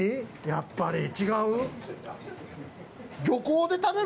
やっぱり違う？